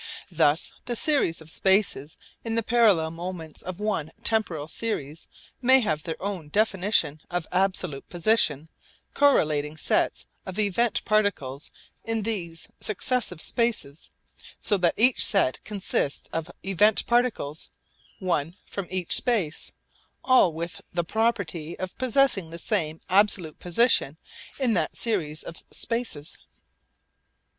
Thus the series of spaces in the parallel moments of one temporal series may have their own definition of absolute position correlating sets of event particles in these successive spaces, so that each set consists of event particles, one from each space, all with the property of possessing the same absolute position in that series of spaces.